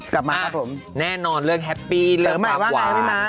กลับมาครับผมแน่นอนเรื่องแฮปปี้เริ่มมากกว่า